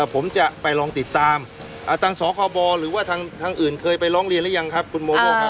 ผมจะไปลองติดตามทางสคบหรือว่าทางอื่นเคยไปร้องเรียนหรือยังครับคุณโมโบครับ